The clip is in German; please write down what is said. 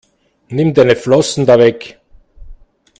Nimm deine Flossen da weg!